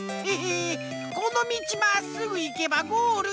このみちまっすぐいけばゴールじゃん！